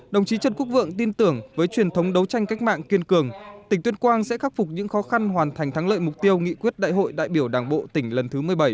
đồng chí trần quốc vượng tin tưởng với truyền thống đấu tranh cách mạng kiên cường tỉnh tuyên quang sẽ khắc phục những khó khăn hoàn thành thắng lợi mục tiêu nghị quyết đại hội đại biểu đảng bộ tỉnh lần thứ một mươi bảy